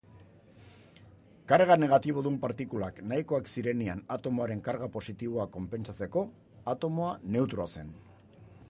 Karga negatibodun partikulak nahikoak zirenean atomoaren karga positiboa konpentsatzeko, atomoa neutroa zen.